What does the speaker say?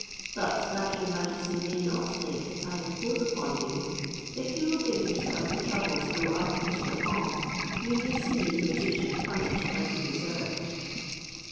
But that your majesty may not think that I impose upon you, if you will give yourself the trouble to go up into the hall, you may see the magician punished as he deserved."